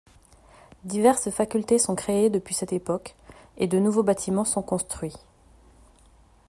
Diverses facultés sont créées depuis cette époque, et de nouveaux bâtiments sont construits.